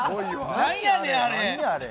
なんやねん、あれ。